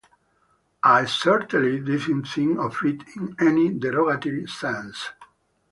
I certainly didn't think of it in any derogatory sense.